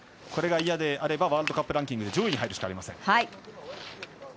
これが嫌であればワールドカップランキングで上位に入るしかありません。